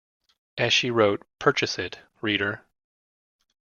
As she wrote, Purchase it, reader.